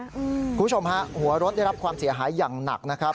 คุณผู้ชมฮะหัวรถได้รับความเสียหายอย่างหนักนะครับ